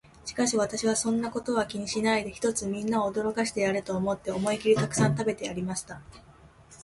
しかし私は、そんなことは気にしないで、ひとつみんなを驚かしてやれと思って、思いきりたくさん食べてやりました。